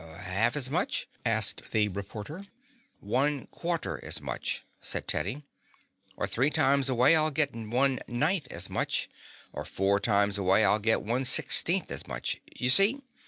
"Half as much?" asked the reporter. "One quarter as much," said Teddy. "Or three times away I'll get one ninth as much, or four times away I'll get one sixteenth as much. You see?